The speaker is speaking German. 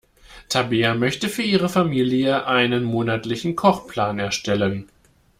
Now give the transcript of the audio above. Tabea möchte für ihre Familie einen monatlichen Kochplan erstellen.